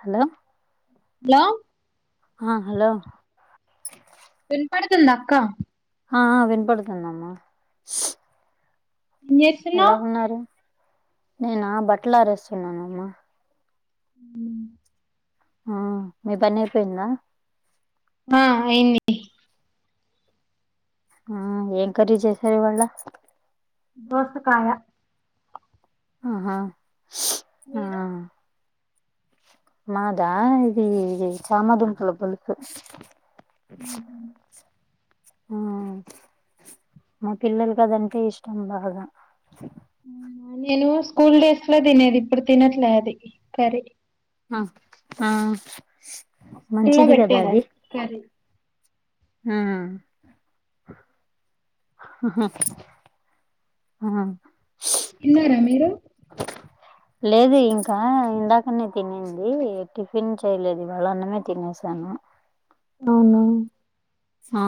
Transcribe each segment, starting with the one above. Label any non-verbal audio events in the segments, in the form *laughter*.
Hello hello ఆ hello వినపడుతుందా అక్కా ఆ వినపడుతుందమ్మా ఏం ఎలా చేస్తున్నావ్ ఉన్నారు? నేనా బట్టలారేస్తున్నానమ్మా. ఉమ్ ఆ మీ పని అయిపోయిందా. ఆ అయింది. ఆ ఏం కర్రీ చేసారు ఇవాళ్ళ. దోసకాయ. ఆహా. ఆ మీరు. మాదా ఇది చామదుంపల పులుసు. ఆ మా పిల్లలకి అదంటే ఇష్టం బాగా. నేను స్కూల్ డేస్ లో తినేది ఇప్పుడు తినట్లే అది కర్రీ. ఆ. న్న మంచిది కదా పెట్టేద కర. హ్మ్మ్ హా ఇన్నారా మీరు లేదు ఇంకా ఇందాకనే తినింది టిఫిన్ చేయలేదు ఇవాళ అన్నమే తినేసాను. అవును! ఆ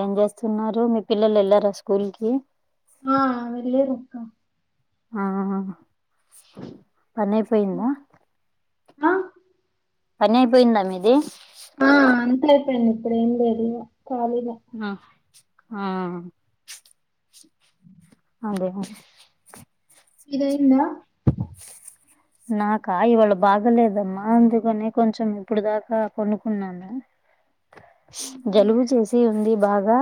ఏం చేస్తున్నారు మీ పిల్లలు వెళ్లరా స్కూల్ కి. ఆ వెళ్ళారు అక్కా. ఆ పనైపోయిందా. అ పని అయిపోయిందా మీది. ఆ అంతా అయిపోయింది ఇప్పుడు ఏం లేదు ఖాళీనే. ఆ ఆ అదే అ. ఇదాయిందా. నాకా ఇవాళ బాగలేదమ్మా అందుకని కొంచెం ఇప్పుడు దాకా పోనుకున్నాను. జలుబు చేసి ఉంది బాగా.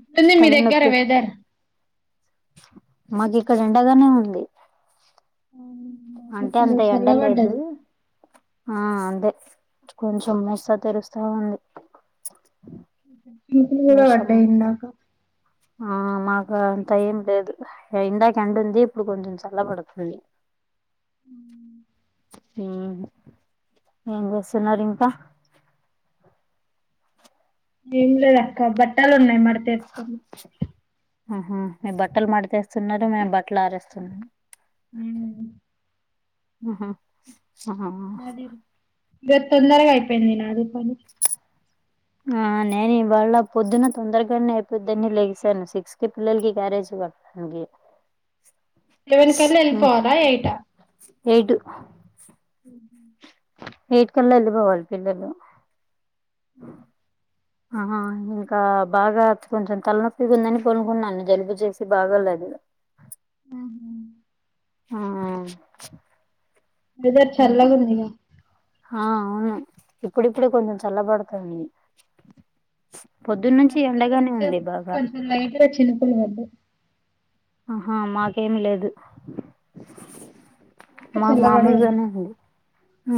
ఎట్లుంది మీ తల దగ్గర నొప్పి వెదర్ మాకు ఇక్కడ ఎండగానే ఉంది. మాకు అంటే ఇక్కడ అంతే ఎండా లేదు. చల్లబడ్డది ఆ అదే కొంచెం మస్తా తెరుస్తా ఉంది. చినుకులు కూడా వర్షం పడ్డాయి ఇందాకా. ఆ మాకు అంత ఏం లేదు ఇందాకా ఎండ ఉంది ఇప్పుడు కొంచెం చల్ల పడుతుంది. హ్మ్మ్ హ్మ్మ్ ఏం చేస్తున్నారు ఇంకా. ఏం లేదు అక్కా బట్టాలు ఉన్నాయి మడేటెడ్టన్న. ఆహ మీర్ బట్టలు మడితేస్తున్నారు మేము బట్టలు ఆరేస్తున్నాము. ఉమ్ ఆహా ఆహా నాది‌ రేప్ తొందరగా అయిపోయింది నాది పని. ఆ నేను ఇవాళ పొద్దున్న తొందరగానే అయిపోద్దని లెగిసాను సిక్స్ కి పిల్లలకి క్యారేజ్ కట్. హంగే. లెవెన్ కల్లా ఎళ్లిపోవాలా లేయిట్ ఆ. హైటూ *inaudible* ఎయిట్ కల్ల ఎల్లి ఎల్లిపోవలిసిందే మేము ఆహా ఇంకా బాగా కొంచెం తలనొప్పిగుందని పనుకున్నాను జలుబు చేసి బాగా లేక ఉహు ఆ వెదర్ చల్లగా ఉంది. ఆ అవును ఇప్పుడిప్పుడే కొంచెం చల్లబడతంది. పొద్దున్నుంచి ఎండగానే ఉంది బాగా లైట్ గా చినుకులు పడ్డాయి. ఆహా మాకేమి లేదు. ఇంకా మాకు చల్లబడే మామూలుగానే ఉంది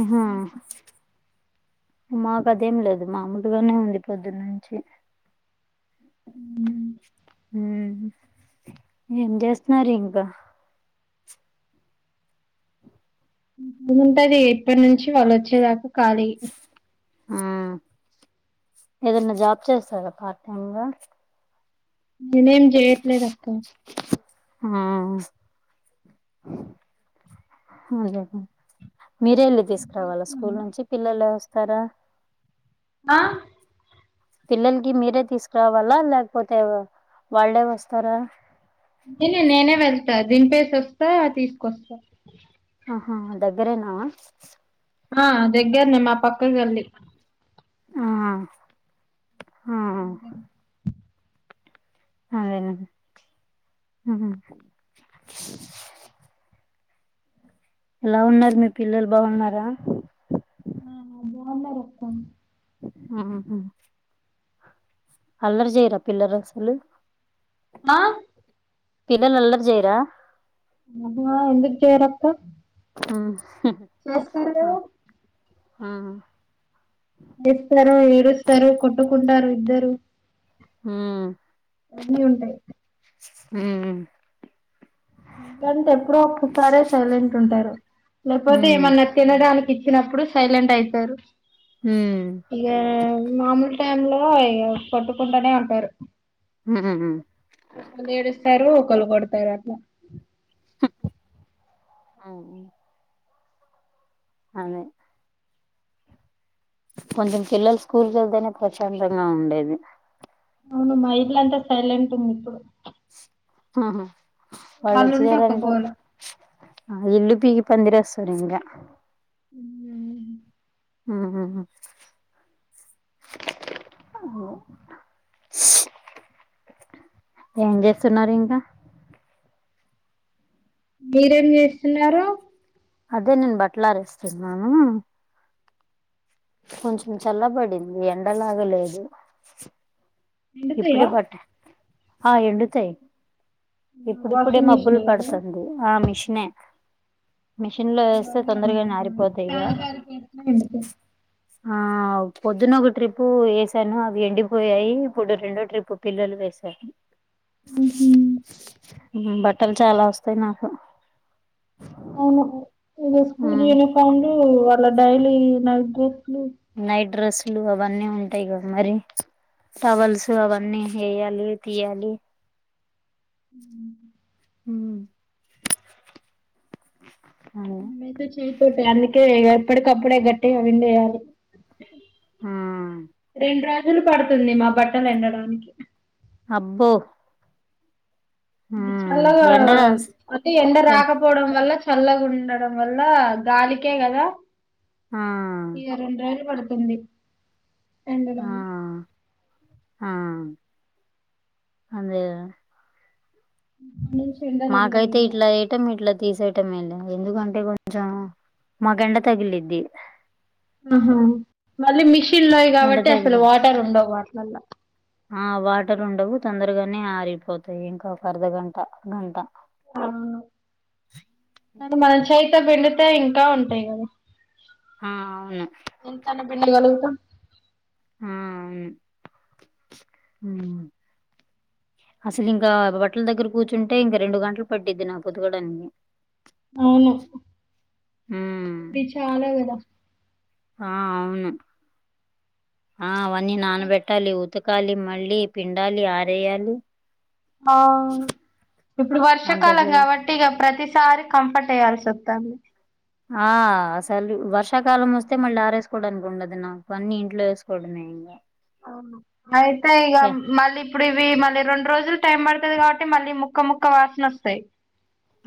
ఆహా మాకు అదేం లేదు మామూల్గనే ఉంది పొద్దున్నుంచి ఉ ఊ ము ఏం జెస్తున్నారు ఇంకా ఏముంటది ఇప్పటి నుంచి వాళ్ళు వోచ్చేదాకా ఖాళీ ము ఏదన్నా జాబ్ చేస్తారా పార్ట్ టైమ్ గా నేనేం జేయట్లేదు అక్క ఆ అదెలే మీరే ఎళ్ళి తీసుకురావాలా స్కూల్ నుంచి పిల్లలు ఏ వోస్తారా ఆ పిల్లలకి మీరే తీసుకురావాలా లేకపోతే వాళ్ళే వస్తారా నేను నేనే వెళ్తా దింపేసి వోస్తా తీసుకొస్తా ఆహా దగ్గరేనా ఆ దగ్గరనేే మా పక్క గల్లి ఆ ఆ ఇంకా అదేన ఉ ఉ ఎలా ఉన్నరు మీ పిల్లలు బావున్నారా ఆ బావున్నరక్క ఊ ఉ అల్లరి జేయరా పిల్లల్ అసలు హా పిల్లలు అల్లరి జేయరా ఆ ఎందుకు జేయరక్క ఊ ఉ అస్తర్లు ఆ లేస్తారు ఏడుస్తరు కొట్టుకుంటారు ఇద్దరు ము అన్నీ ఉంటాయి. ము కంటే ఎప్పుడో ఒక్కసారే సైలెంట్ ఉంటారు లేకపోతే హ్మ్ ఏమన్నా తినడానికి ఇచ్చినప్పుడు సైలెంట్ అయితారు. హ ఇగా మామూలు టైమ్ లో ఇగ కొట్టుకుంటనే ఉంటారు. ఉహు ఒకరు ఏడుస్తారు ఒకల్ కొడతారు అట్లా. అవునా అనే కొంచం పిల్లలు స్కూల్కి ఎళ్తేనే ప్రశాంతంగా ఉండేది అవును మ ఇల్లయితే సైలెంట్ ఉంది ఇప్పుడు అహ వాళ్ళుంటే ఒక వాళ్లొచ్చినారంటే గోల ఆ ఇల్లు పికి పందిరేస్తారు ఇంగ ఉమ్ ఉహు ఒహో ఏం చేస్తున్నారు ఇంకా? మీరేం చేస్తున్నారు? అదే నేన్ బట్లారస్తున్నాను కొంచం చల్లబడింది, ఎండలాగే లేదు. ఇప్పుడే ఎండుతాయా బట్ట ఆ ఎండుతయి ఇప్పుడిప్పుడే వాషింగ్ మబ్బులు మిషన్ కదా పడుతుంది, ఆ మిషినే మిషన్ లో ఏస్తే అలానే తొందరగా ఎండిపోయినాయి నారిపోతయ్ గా ఫ్యాన్ గాలికి వేసిన ఎండిపోయి ఆ పొద్దున ఒక ట్రిప్పు ఏసాను అవి ఎండిపోయాయి. ఇప్పుడు రెండో ట్రిప్పు పిల్లలవేశా. ఉమ్ బట్టలు చాలా వస్తాయి నాకు. అవును ఇది స్కూల్ యూనిఫార్మ్లు, అలా డైలీ నైట్ డ్రెస్ లు నైట్ డ్రెస్సులు అవన్నీ ఉంటయిగా మరి. టవల్స్ అవన్నీ ఏయాలి, తీయాలి. ఉమ్ ఉమ్ అవు తో చేయపోతే అందుకే ఇగ ఎప్పటికప్పుడే గట్టిగా విండేయాలి. రెండు రోజులు పడుతుంది మా బట్టలు ఎండడానికి. అబ్బో అది చల్లగా ఎండలా అతే ఎండ రాకపో పోవడం వల్ల, చల్లగా ఉండడం వల్ల గాలికే కదా. ఆ ఇగ రెండు రోజులు పడుతుంది, రెండు రోజు ఆ ఆ అదే కదా న *unintelligible* మాకైతే ఇట్లా ఎట్ టం ఇట్లా తీసేయటం ఏను, ఎందుకంటే కొంచెం మాక్ ఎండ తగిలిద్ది. ఉహు మళ్ళీ మిషన్ లోయి ఎండ కాబట్టి, అసలు తగిలి వాటర్ ఉండవు వాటిలల్ల ఆ వాటర్ ఉండవు తొందరగానే ఆరిపోతాయి, ఇంకొక అర్ధగంట, గంట. ఓహో అంటే మనం చెయ్ తో పిండితే ఇంకా ఉంటయి కదా. ఆ అవును ఎంతని పిండగలుగుతం? హుమ్ ఉమ్ అసలు ఇంకా బట్టల దగ్గర కూర్చుంటే ఇంకా రెండు గంటలు పడ్డిద్ది నాకు ఉతకడానికి అవును హ చాలా గదా ఆ అవును ఆ అవన్నీ నానబెట్టాలి ఉతకాలి మళ్ళీ పిండాలి ఆరేయాలి ఆ ఇప్పుడు వర్షాకాలం అంతసేపు కాబట్టి టి ఇక ప్రతిసారి కంఫర్ట్ ఎయ్యాల్సి వత్తాంది ఆ అసలు వర్షాకాలం వస్తే మళ్ళీ ఆరేసుకోవడానికి ఉండదు నాకు అన్ని ఇంట్లో వేసుకోవడమే ఇంకా ఆయితే ఇక ఏ, మళ్ళీ ఇప్పుడు ఇవి మళ్ళీ రెండు రోజులు టైం పడతది కాబట్టి మళ్ళీ ముక్క ముక్క వాసన వస్తాయి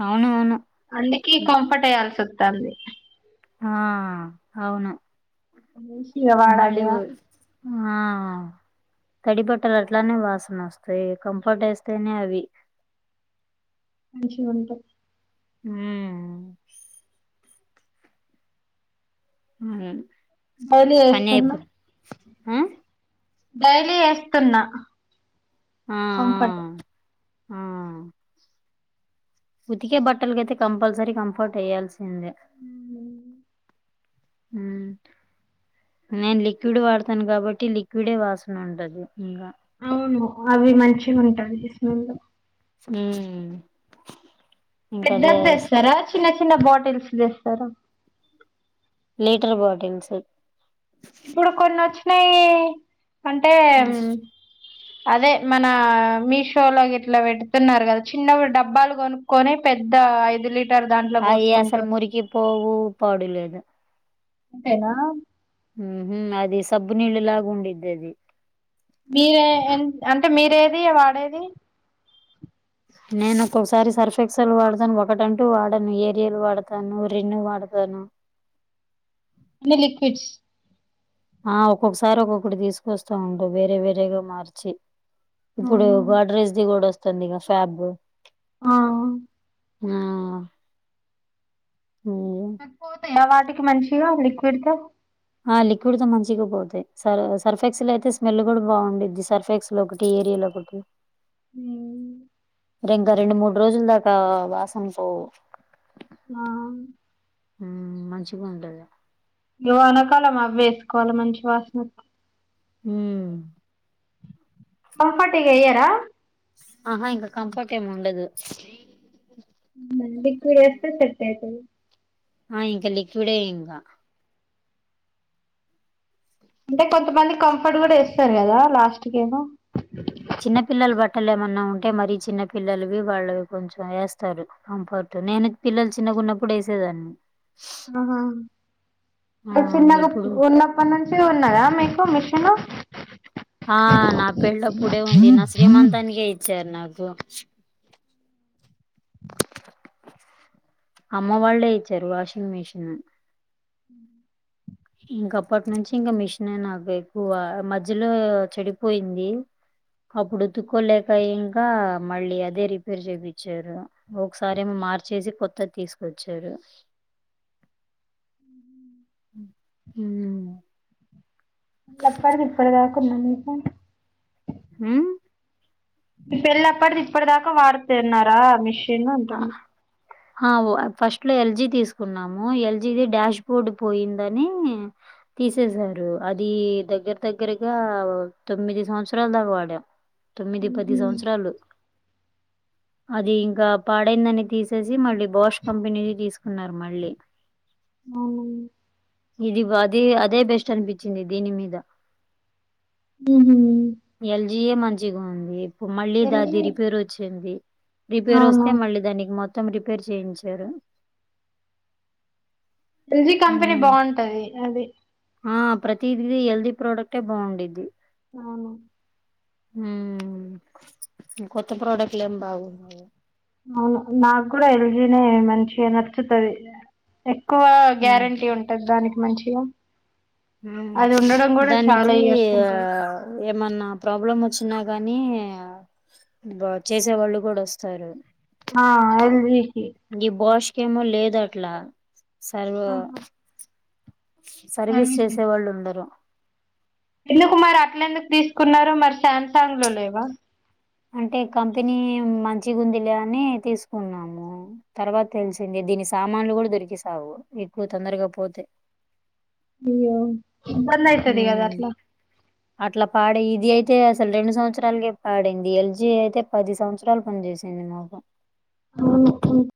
అవును అవును అందుకే కంఫర్ట్ ఎయ్యాల్సి వత్తాంది ఆ అవును మంచిగా మళ్ళీ వాడాలిగా. ఊ ఆ తడి బట్టలు అట్లానే వాసన వస్తాయి కంఫర్ట్ వేస్తేనే అవి మంచిగుంటాయి ఉమ్ ఉమ్ డైలీ పనిఅయిపో ఏస్తున్నా. ఆ డైలీ వేస్తున్నా ఆ *inaudible* కంఫర్ట్ ఆ ఉతికే బట్టలకయితే కంపల్సరీ కంఫర్ట్ వెయ్యాల్సిందే హమ్ నేను లిక్విడ్ వాడతాను కాబట్టి లిక్విడే వాసన ఉంటది ఇంకా అవును అవి మంచిగుంటాది స్మెల్ ఉమ్ పెద్దది తెస్తారా చిన్న చిన్న బాటిల్స్ తెస్తారా లీటర్ బాటిల్స్ ఇప్పుడు కొన్ని వచ్చినాయి అంటే అదే మన మీషోలో ఇట్లా పెడుతున్నారు కదా చిన్నవి డబ్బాలు కొను క్కొని పెద్ద ఐదు లీట అవి అసలు మురికి పోవు పాడులేదు అంతేనా ఉహు అది సబ్బు నీళ్ళు లాగ ఉండిద్ది అది మీరే ఎ అంటే మీరేది వాడేది నేను ఒక్కొక్కసారి సర్ఫెక్సలు వాడతాను ఒకటంటూ వాడను ఏరియాలు వాడతాను రిన్ను వాడతాను అన్ని లిక్విడ్స్ ఆ ఒక్కొక్కసారి ఒక్కొక్కటి తీసుకొస్తా ఉంట వేరే వేరేగా మార్చి ఇప్పుడు అవునా గాడ్రెస్ది కూడా వస్తుందిగా ఫ్యాబ్ ఆ ఆ *inaudible* ఉన్లే పోతాయ వాటికి మంచిగా లిక్విడ్ తో ఆ లిక్విడ్ తో మంచిగా పోతాయి స సర్ఫెక్స్ అయితే స్మెల్ కూడా బాగుద్ది సర్ఫెక్సల్ ఒకటి ఏరియాల్ ఒకటి ఓకే ఉం రిగ్గా మరి ఇంకా రెండు మూడు రోజుల దాకా వాసన పోవు ఆ మ్మ్ మంచిగా ఉంటది ఇంగ వానకాలం అవేసుకోవాలి మంచి వాసన ఒత్ మ్మ్ కంఫర్ట్ ఎయ్యరా ఆహా ఇంకా కంఫట్ ఏం ఉండదు లిక్విడ్ ఎస్తే సెట్ అయితది ఆ ఇంకా లిక్విడే ఇంగా అంటే కొంతమంది కంఫర్ట్ కూడా ఏస్తారు కదా లాస్ట్కేమో చిన్నపిల్లలు బట్టలు ఏమన్నా ఉంటే మరి చిన్న పిల్లలవి వాళ్ళు కొంచెం వేస్తారు కంఫర్ట్ నేను పిల్లలు చిన్నగున్నప్పుడు వేసేదాన్ని ఆహా ఆ అ చిన్నకు ఇప్పుడు ఉన్న అప్పటి నుంచే ఉన్నదా మీకు మిషన్ ఆ నా పెళ్ళప్పుడే ఉంది నా శ్రీమంతానినికే ఇచ్చారు నాకు అమ్మ వాళ్ళే ఇచ్చారు వాషింగ్ మిషిన్ మ్మ్ ఇంక అప్పటి నుంచి ఇంక మిషనే నాకు ఎక్కువ మధ్యలో చెడిపోయింది అప్పుడు ఉతుక్కోలేక ఇంకా మళ్ళీ అదే రిపేర్ చేపిచ్చారు ఒకసారేమో మార్చేసి కొత్తది తీసుకొచ్చారు మ్మ్ మ్మ్ ఎప్పటికిిప్పడుదాకున్నా మీకు మ్మ్ పెళ్పప్పటిది ఇప్పటి దాకా వాడుతన్నారా మిషను ఆ అంటున్నా ఆ ఫస్ట్ లో ఎల్జి తీసుకున్నాము ఎల్జిది డాష్ బోర్డ్ పోయిందని తీసేసారు అది దగ్గర దగ్గరగా తొమ్మిది సంవత్సరాలు దాకా వాడాం తొమ్మిది పది ఊహూ సంవత్సరాలు అది ఇంకా పాడైందని తీసేసి మళ్ళీ బాష్ కంపెనీది తీసుకున్నారు మళ్ళీ అవునా ఇది అది అదే బెస్ట్ అనిపిచ్చింది దీని మీద మ్మ్ ఎల్జీయే మంచిగుంది ఇప్పుడు మళ్ళీ దాది ఎల్జీ రిపేర్ వచ్చింది రిపేర్ వస్తు అవునా మళ్ళీ దానికి మొత్తం రిపేర్ చేయించారు ఎల్జి కంపెనీ హ్మ్. బాగుంటది అది ఆ ప్రతీది ఎల్ది ప్రొడక్టే బాగుండేది అవును మ్మ్ కొత్త ప్రొడక్ట్లు ఏం బాగుండవు అవును నాక్కూడా ఎల్జీనేే మంచిగా నచ్చుతది ఎక్కువ ఉమ్ గ్యారెంటీ ఉంటది దానికి మంచిగా అది ఉండడం కూడా చాలా దానికీ ఇయర్స్ ఉంటది ఏమన్నా ప్రాబ్లం వచ్చినా గానీ బా చేసే వాళ్ళు గూడా వస్తారు ఆ ఎల్జీకి ఈ బాష్కి ఏమో లేదు అట్లా సర్వ్ ఆహా. సర్వీస్ చేసే వాళ్లుండరు ఎందుకు మరట్లెందుకు తీసుకున్నారూ మరి శ్యామ్సాంగ్ లో లేవా అంటే కంపెనీ మంచిగుందిలే అని తీసుకున్నాము తర్వాత తెలిసింది దీని సామాన్లు గూడా దొరికిసావు ఎక్కువ తొందరగా పోతే అయ్యో ఇబ్బంది అయితది కదా హ్మ్ అట్లా అట్లా పాడే ఇది అయితే అసలు రెండు సంవత్సరాలుగే పాడైంది ఎల్ జి అయితే పది సంవత్సరాలు పనిచేసింది. నౌగ అవును